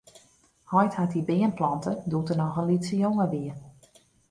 Heit hat dy beam plante doe't er noch in lytse jonge wie.